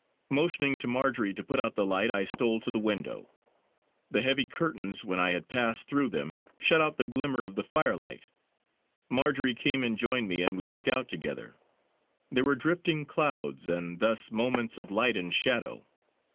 Motioning to Marjory to put out the light, I stole to the window. The heavy curtains, when I had passed through them, shut out the glimmer of the firelight. Marjory came and joined me, and we looked out together. There were drifting clouds, and thus, moments of light and shadow.